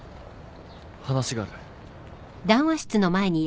話がある。